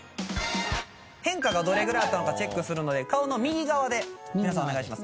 変化がどれぐらいあったのかチェックするので顔の右側で皆さんお願いします。